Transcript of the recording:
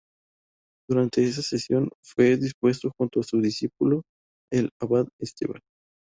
Durante esa sesión fue depuesto, junto a su discípulo, el abad Esteban.